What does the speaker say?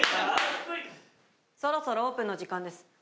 そろそろオープンの時間です。